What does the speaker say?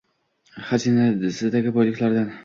Xazinangizdagi boyliklardan